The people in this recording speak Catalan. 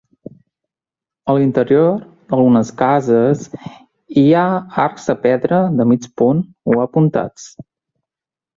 A l'interior d'algunes cases, hi ha arcs de pedra de mig punt o apuntats.